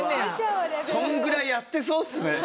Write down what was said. それぐらいやってそうっすね。